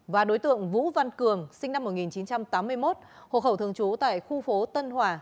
và đối tượng vũ văn cường sinh năm một nghìn chín trăm tám mươi một hộ khẩu thường trú tại khu phố tân hòa